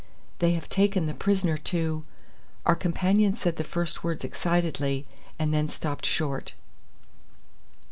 "They have taken the prisoner to " Our companion said the first words excitedly, and then stopped short.